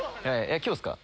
今日ですか？